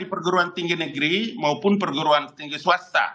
perguruan tinggi negeri maupun perguruan tinggi swasta